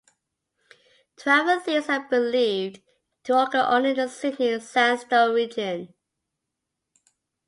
Twelve of these are believed to occur only in the Sydney sandstone region.